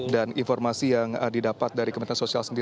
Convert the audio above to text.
dan informasi yang didapat dari kementerian sosial